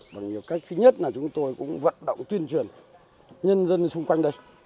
bằng nhiều cách thứ nhất là chúng tôi cũng vận động tuyên truyền nhân dân xung quanh đây